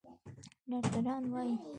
ډاکتران وايي